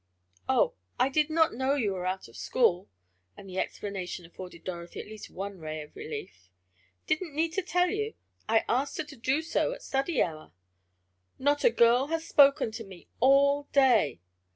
"Oh, I did not know you were out of school," and the explanation afforded Dorothy at least one ray of relief. "Didn't Nita tell you? I asked her to do so at study hour." "Not a girl has spoken to me all day!"